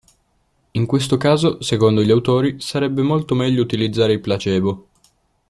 In questo caso secondo gli autori sarebbe molto meglio utilizzare i placebo.